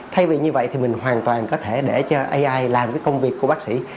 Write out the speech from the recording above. thay vì như vậy thì mình hoàn toàn có thể để cho ai làm cái công việc của bác sĩ